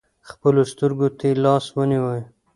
خپلو سترکو تې لاس ونیوئ .